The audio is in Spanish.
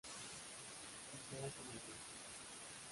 Quizá esa es la cuestión".